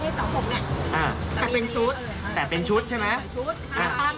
เราเป็นเจริญสังคม